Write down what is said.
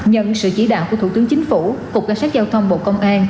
nhân sự chỉ đạo của thủ tướng chính phủ cục cảnh sát giao thông bộ công an